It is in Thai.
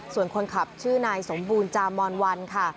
ส่วนคนขับชื่อนายสมบูรณ์จามอนวันค่ะ